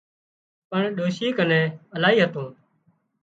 پڻ ڏوشي ڪنين الاهي هتون